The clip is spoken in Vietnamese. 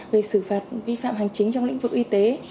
về xử phạt vi phạm hành chính trong lĩnh vực y tế